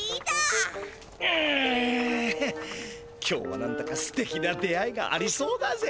今日は何だかすてきな出会いがありそうだぜ。